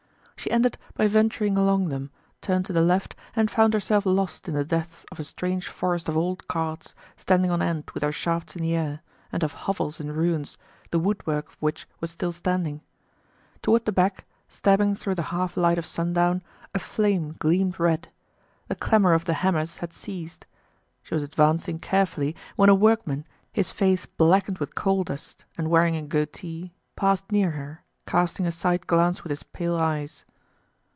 She ended by venturing along them, turned to the left and found herself lost in the depths of a strange forest of old carts, standing on end with their shafts in the air, and of hovels in ruins, the wood work of which was still standing. Toward the back, stabbing through the half light of sundown, a flame gleamed red. The clamor of the hammers had ceased. She was advancing carefully when a workman, his face blackened with coal dust and wearing a goatee passed near her, casting a side glance with his pale eyes.